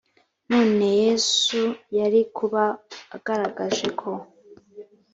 nanone yesu yari kuba agaragaje ko